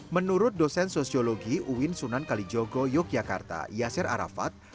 menurut dosen sosiologi uwin sunan kalijogo yogyakarta yasser arafat